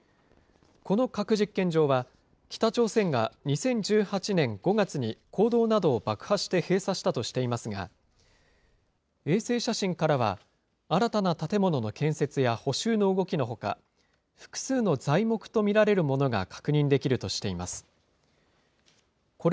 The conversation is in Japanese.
この核実験場は、北朝鮮が２０１８年５月に、坑道などを爆破して閉鎖したとしていますが、衛星写真からは新たな建物の建設や補修の動きのほか、複数の材木と見られるものが確認できるとしています。